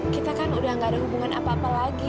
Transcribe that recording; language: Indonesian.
kita kan udah gak ada hubungan apa apa lagi